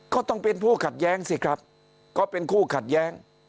ก็ต้องเป็นผู้ขัดแย้งสิครับก็เป็นคู่ขัดแย้ง